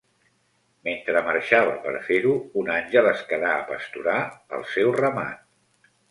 Mentre marxava per fer-ho, un àngel es quedà a pasturar el seu ramat.